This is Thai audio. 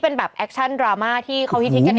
เป็นการกระตุ้นการไหลเวียนของเลือด